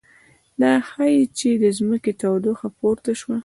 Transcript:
دا ښيي چې د ځمکې تودوخه پورته شوه